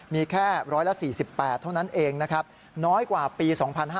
มีแค่๑๔๘ล้านลูกบาทเท่านั้นเองน้อยกว่าปี๒๕๖๒